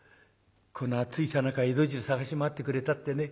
この暑いさなか江戸中探し回ってくれたってね。